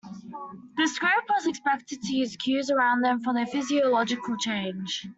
This group was expected to use cues around them for their physiological change.